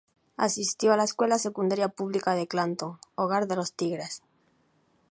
Asistió a la escuela secundaria pública de Clanton, hogar de los Tigres.